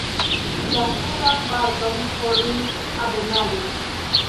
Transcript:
La sudan parton formis ebenaĵo.